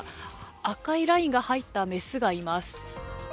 赤いラインが入った雌がいます。